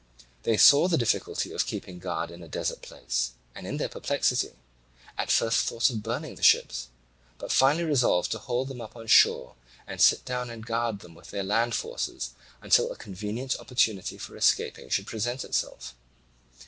These saw the difficulty of keeping guard in a desert place, and in their perplexity at first thought of burning the ships, but finally resolved to haul them up on shore and sit down and guard them with their land forces until a convenient opportunity for escaping should present itself.